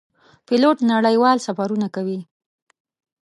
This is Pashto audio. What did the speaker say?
پیلوټ نړیوال سفرونه کوي.